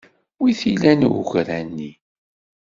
Wi t-ilan ugra-nni?